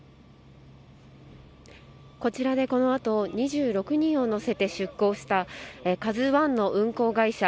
こちらでこの後２６人を乗せて出港した「ＫＡＺＵ１」の運航会社